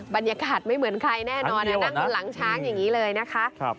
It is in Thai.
บรรยากาศไม่เหมือนใครแน่นอนนั่งบนหลังช้างอย่างนี้เลยนะคะ